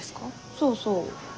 そうそう。